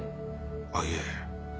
あっいえ。